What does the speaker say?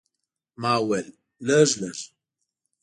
ما وویل، لږ، لږ.